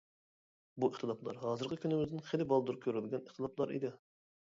بۇ ئىختىلاپلار ھازىرقى كۈنىمىزدىن خېلى بالدۇر كۆرۈلگەن ئىختىلاپلار ئىدى.